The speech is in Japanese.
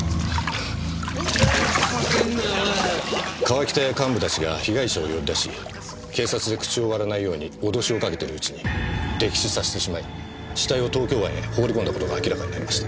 川北や幹部たちが被害者を呼び出し警察で口を割らないように脅しをかけてるうちに溺死させてしまい死体を東京湾へ放り込んだ事が明らかになりました。